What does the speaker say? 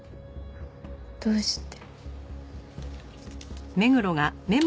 どうして。